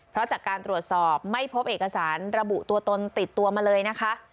เพราะจากการตรวจสอบไม่พบเอกสารระบุตัวตนติดตัวมาเลยนะคะ